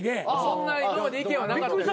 そんな今まで意見はなかった。